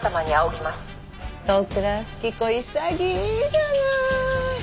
利倉富貴子潔いじゃない。